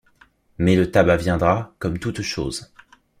Mais le tabac viendra, comme toutes choses